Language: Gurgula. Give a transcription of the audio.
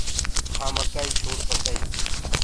کآ مڪآئي ڇوڙ پڪآئي